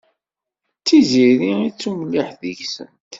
D Tiziri i d tumliḥt deg-sent.